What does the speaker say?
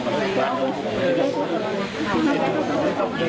ตอนนี้ก็ไม่มีเวลาให้กลับมาเที่ยวกับเวลา